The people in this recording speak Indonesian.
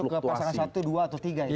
bisa masuk ke pasangan satu dua atau tiga ya